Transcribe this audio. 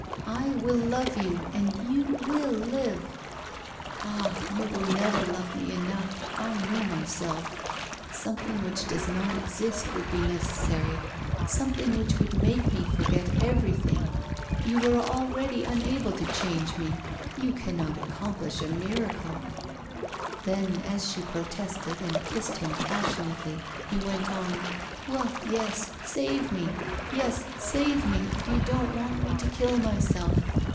'I will love you, and you will live.' 'Ah! you will never love me enough I know myself. Something which does not exist would be necessary something which would make me forget everything. You were already unable to change me. You cannot accomplish a miracle!' Then, as she protested and kissed him passionately, he went on: 'Well, yes, save me! Yes, save me, if you don't want me to kill myself!